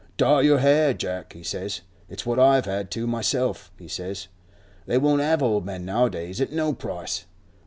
"Dye your hair, Jack," he says; "it's what I've had to myself," he says. "They won't have old men nowadays, at no price."